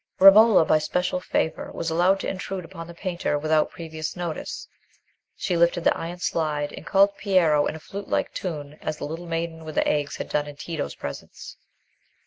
Romola, by special favour, was allowed to intrude upon the painter without previous notice. She lifted the iron slide and called Piero in a flute like tone, as the little maiden with the eggs had done in Tito's presence.